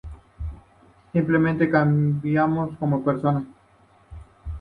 Simplemente cambiamos como personas.